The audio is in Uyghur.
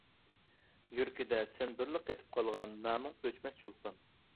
يۈرىكىدە سەن بىرلا قېتىپ قالغان نامىڭ ئۆچمەس چولپان.